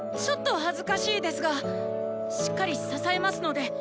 ちょっと恥ずかしいですがしっかり支えますので！